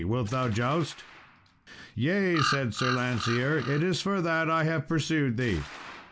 wilt thou joust?" "Yea," said Sir Lancear, "it is for that I have pursued thee."